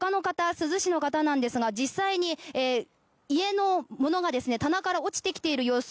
珠洲市の方ですが実際に家のものが棚から落ちてきている様子